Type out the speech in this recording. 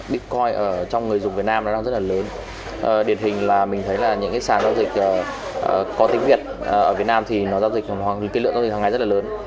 bitcoin ở trong người dùng việt nam nó đang rất là lớn điển hình là mình thấy là những cái sản giao dịch có tính việt ở việt nam thì nó giao dịch cái lượng giao dịch hàng ngày rất là lớn